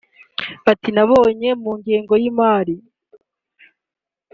Ati “Nabonye mu ngengo y’imari [